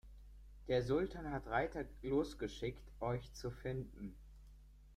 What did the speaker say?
Der Sultan hat Reiter losgeschickt, euch zu finden.